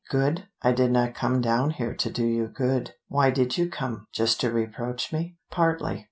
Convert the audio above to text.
Good? I did not come down here to do you good." "Why did you come? Just to reproach me?" "Partly."